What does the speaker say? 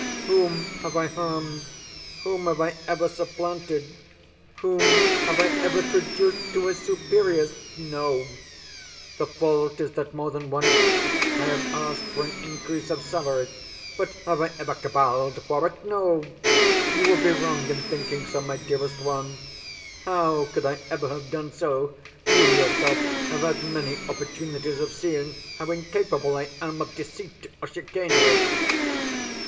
Whom have I harmed? Whom have I ever supplanted? Whom have I ever traduced to his superiors? No, the fault is that more than once I have asked for an increase of salary. But have I ever CABALLED for it? No, you would be wrong in thinking so, my dearest one. HOW could I ever have done so? You yourself have had many opportunities of seeing how incapable I am of deceit or chicanery.